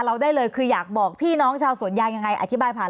เราได้เลยคืออยากบอกพี่น้องชาวสวนยางยังไงอธิบายผ่าน